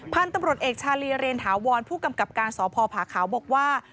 พันธุ์ตำรวจเอกชาลีเรียนถาวรผู้กำกับการสพผาขาวบอกว่า